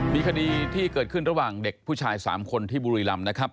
มีคดีที่เกิดขึ้นระหว่างเด็กผู้ชาย๓คนที่บุรีรำนะครับ